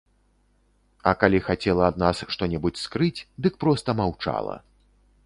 А калі хацела ад нас што-небудзь скрыць, дык проста маўчала.